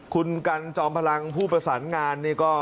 คุณกันจอมพลังผู้ประสานงานนี่ก็